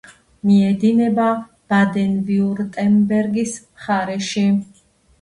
მიედინება ბადენ-ვიურტემბერგის მხარეში.